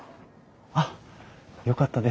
あっよかったです。